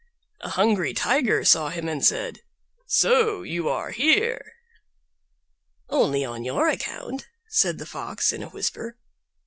A hungry Tiger saw him and said, "So you are here!" "Only on your account," said the Fox in a whisper.